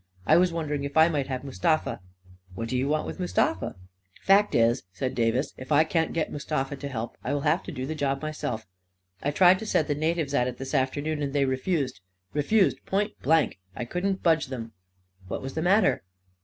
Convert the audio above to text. I was wondering if I might have Mustafa." "What do you want with Mustafa?" " Fact is," said Davis, " if I can't get Mustafa to help, I will have to do the job myself. I tried to set the natives at it this afternoon, and they refused. Refused point blank. I couldn't budge them." " What was the matter?